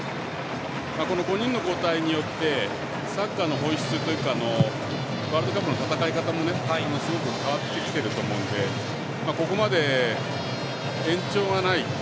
５人の交代によってサッカーの本質というかワールドカップの戦い方もすごく変わってきていると思うのでここまで延長がない。